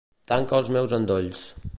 Tancar els meus endolls.